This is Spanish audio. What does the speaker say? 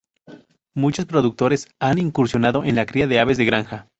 Muchos productores han incursionado en la cría de aves de granja.